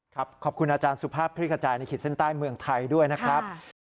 ขอบคุณอาจารย์สุภาพคลิกขจายในขีดเส้นใต้เมืองไทยด้วยนะครับ